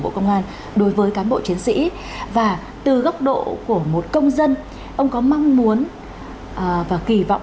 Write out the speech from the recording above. bộ công an đối với cán bộ chiến sĩ và từ góc độ của một công dân ông có mong muốn và kỳ vọng